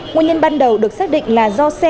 nguyên nhân ban đầu được xác định là